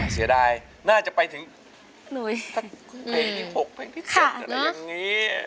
เสียดายน่าจะไปถึงแฟนที่๖แฟนที่๗อะไรแบบนี้